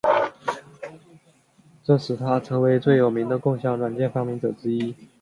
这使他成为最有名的共享软件发明者之一。